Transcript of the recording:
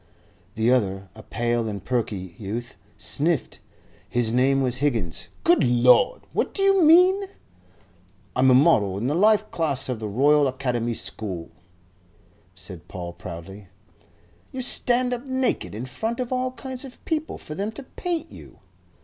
The other, a pale and perky youth, sniffed. His name was Higgins. "Good Lord! What do you mean?" "I'm a model in the life class of the Royal Academy School," said Paul, proudly. "You stand up naked in front of all kinds of people for them to paint you?"